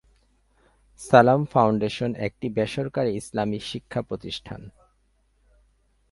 সালাম ফাউন্ডেশন একটি বেসরকারি ইসলামি শিক্ষা প্রতিষ্ঠান।